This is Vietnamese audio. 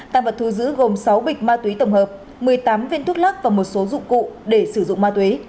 tăng vật thu giữ gồm sáu bịch ma túy tổng hợp một mươi tám viên thuốc lắc và một số dụng cụ để sử dụng ma túy